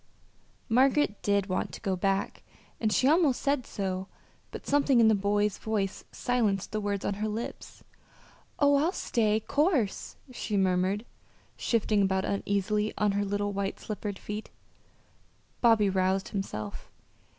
Margaret did want to go back, and she almost said so, but something in the boy's voice silenced the words on her lips. "Oh, I'll stay, 'course," she murmured, shifting about uneasily on her little white slippered feet. Bobby roused himself.